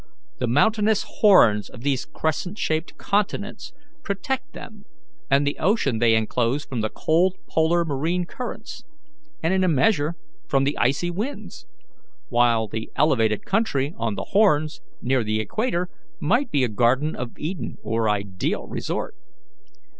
The mountainous horns of these crescent shaped continents protect them and the ocean they enclose from the cold polar marine currents, and in a measure from the icy winds; while the elevated country on the horns near the equator might be a Garden of Eden, or ideal resort.